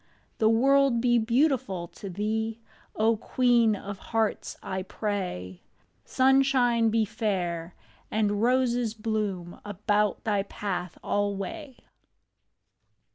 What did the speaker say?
The world be beautiful to thee, O queen of hearts, I pray ! Sunshine be fair, and roses bloom About thy path alway.